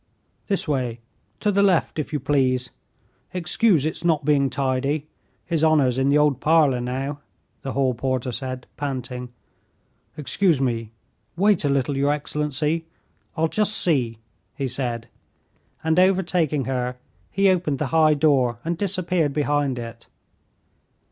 "This way, to the left, if you please. Excuse its not being tidy. His honor's in the old parlor now," the hall porter said, panting. "Excuse me, wait a little, your excellency; I'll just see," he said, and overtaking her, he opened the high door and disappeared behind it.